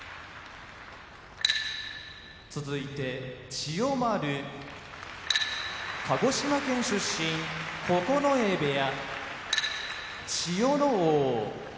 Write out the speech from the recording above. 千代丸鹿児島県出身九重部屋千代ノ皇